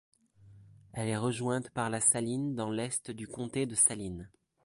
Elle est rejointe par la Saline dans l'est du comté de Saline.